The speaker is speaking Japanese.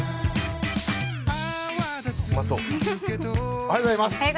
おはようございます。